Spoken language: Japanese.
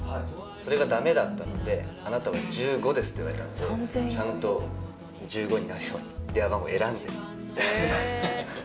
それが駄目だったのであなたは１５ですって言われたんでちゃんと１５になるように電話番号選んで変えました。